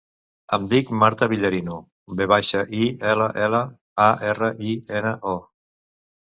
Em dic Marta Villarino: ve baixa, i, ela, ela, a, erra, i, ena, o.